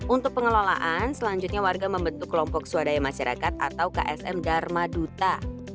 untuk pengelolaan selanjutnya warga membentuk kelompok swadaya masyarakat atau ksm dharma duta